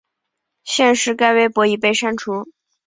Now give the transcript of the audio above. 现时该微博已被删除。